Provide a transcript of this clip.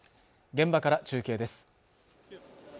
現場から中継です